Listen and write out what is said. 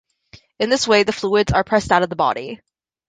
In this way the fluids are pressed out of the body.